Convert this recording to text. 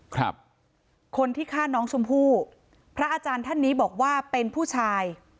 ครับคนที่ฆ่าน้องชมพู่พระอาจารย์ท่านนี้บอกว่าเป็นผู้ชาย